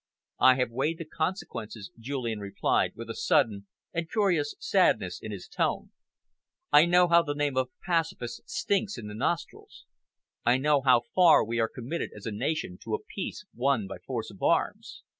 "I have weighed the consequences," Julian replied, with a sudden and curious sadness in his tone. "I know how the name of 'pacifist' stinks in the nostrils. I know how far we are committed as a nation to a peace won by force of arms.